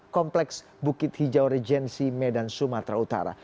kompleks bukit hijau regensi medan sumatera utara